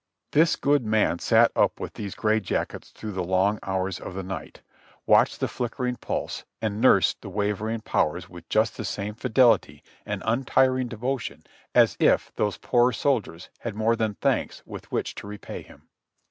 This good man sat up with these gray jackets through the long hours of the night, watched 220 JOHNNY REB AND BILLY YANK the flickering pulse and nursed the wavering powers with just the same fideHt} and untiring devotion as if those poor soldiers had more than thanks with which to repay him.